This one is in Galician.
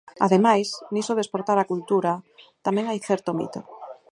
Ademais, niso de exportar a cultura tamén hai certo mito.